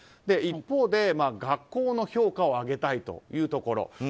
一方で、学校の評価を上げたいというところ。